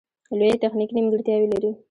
لویې تخنیکې نیمګړتیاوې لري